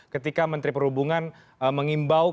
ketika menteri perhubungan mengimbangkan